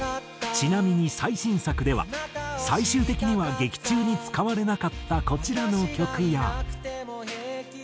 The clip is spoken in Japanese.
ちなみに最新作では最終的には劇中に使われなかったこちらの曲や。